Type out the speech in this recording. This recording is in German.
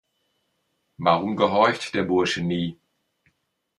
Warum gehorcht der Bursche nie?